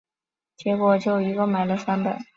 结果就一共买了三本